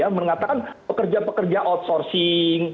mengatakan pekerja pekerja outsourcing